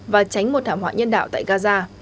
và tránh một thảm họa nhân đạo tại gaza